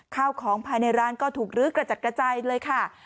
ข้าวของภายในร้านก็ถูกลื้อกระจัดกระจายเลยค่ะ